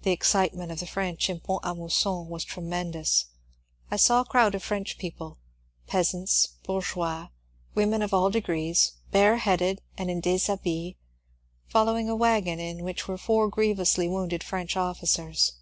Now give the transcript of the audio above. The excitement of the French in Pont a Mousson was tre mendous. I saw a crowd of French people — peasants, bour geois, women of all degrees, bareheaded and in dishabille — following a wagon in which were four grievously wounded French officers.